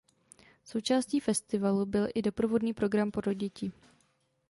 Součástí festivalu byl i doprovodný program pro děti.